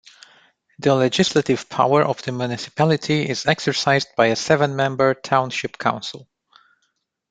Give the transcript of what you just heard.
The legislative power of the municipality is exercised by a seven-member Township Council.